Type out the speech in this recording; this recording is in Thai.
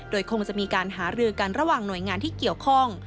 โดยคงจะมีการหารือกันระหว่างหน่วยงานที่เกี่ยวข้อง